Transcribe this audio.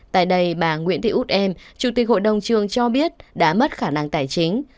tại đây bà nguyễn thị út em chủ tịch hội đồng trường cho biết đã mất khả năng tài chính